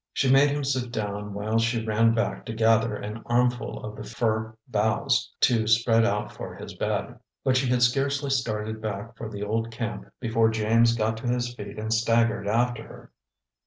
She made him sit down while she ran back to gather an armful of the fir boughs to spread out for his bed; but she had scarcely started back for the old camp before James got to his feet and staggered after her.